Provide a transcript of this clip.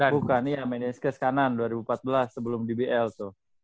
bukan iya meniscus kanan dua ribu empat belas sebelum dbl tuh